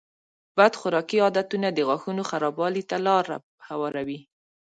بد خوراکي عادتونه د غاښونو خرابوالي ته لاره هواروي.